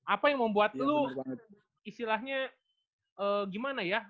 apa yang membuat lu istilahnya gimana ya